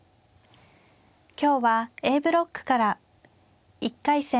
今日はＡブロックから１回戦